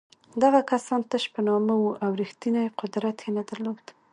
دغه کسان تش په نامه وو او رښتینی قدرت یې نه درلود.